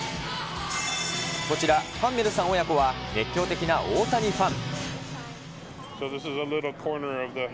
こちら、ハンメルさん親子は熱狂的な大谷ファン。